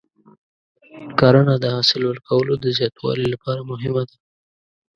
کرنه د حاصل ورکولو د زیاتوالي لپاره مهمه ده.